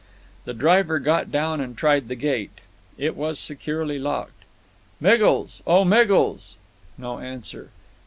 The driver got down and tried the gate. It was securely locked. "Miggles! O Miggles!" No answer.